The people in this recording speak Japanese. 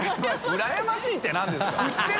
うらやましい」ってなんですか？